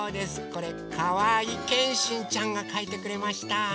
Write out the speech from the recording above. これかわいけんしんちゃんがかいてくれました。